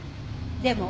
でも。